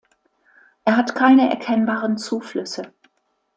Er hat keine erkennbaren Zuflüsse.